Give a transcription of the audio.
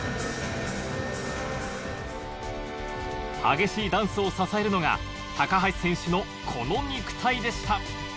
激しいダンスを支えるのが高橋選手のこの肉体でした